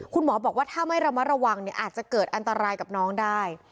คุณหมอบอกว่าถ้าไม่ระมัดระวังเนี่ยอาจจะเกิดอันตรายกับน้องได้